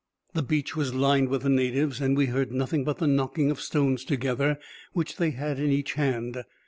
The beach was lined with the natives, and we heard nothing but the knocking of stones together, which they had in each hand.